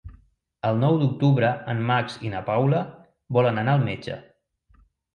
El nou d'octubre en Max i na Paula volen anar al metge.